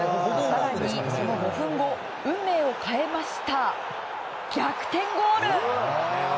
更にその５分後運命を変えました逆転ゴール。